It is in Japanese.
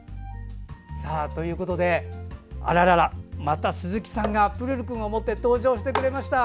あらら、また鈴木さんがプルルくんを持って登場してくれました。